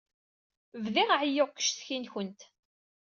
Bdiɣ ɛeyyuɣ seg uccetki-nwent.